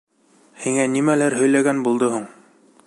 Һиңә нимәләр һөйләгән булды һуң?